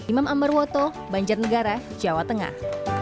imam ambarwoto banjar negara jawa tengah